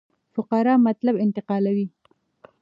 فقره مطلب انتقالوي.